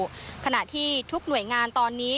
ฉะนั้นขนาดที่ทุกหน่วยงานตรงนี้